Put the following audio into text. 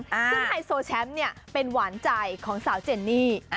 ซึ่งไฮโซแชมป์เป็นหวานใจของสาวเจนนี่